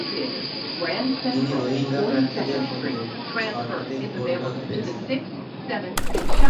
তিনি রোহিঙ্গা প্রার্থীদের মধ্যে সর্বাধিক ভোট ভাগ পেয়েছেন।